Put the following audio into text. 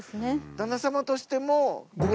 旦那様としても。